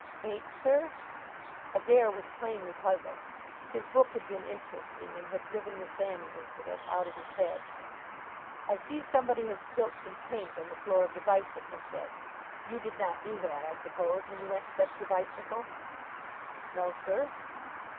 "Paint, sir?" Adair was plainly puzzled. His book had been interesting, and had driven the Sammy incident out of his head. "I see somebody has spilt some paint on the floor of the bicycle shed. You did not do that, I suppose, when you went to fetch your bicycle?" "No, sir."